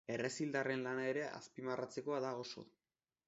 Errezildarren lana ere azpimarratzekoa da oso.